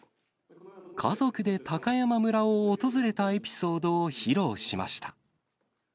家族で高山村を訪れたエピソードを披露しました。